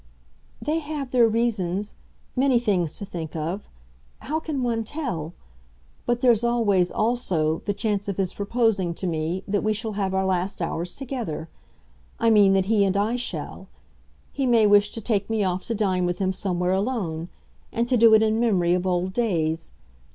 "They have their reasons many things to think of; how can one tell? But there's always, also, the chance of his proposing to me that we shall have our last hours together; I mean that he and I shall. He may wish to take me off to dine with him somewhere alone and to do it in memory of old days.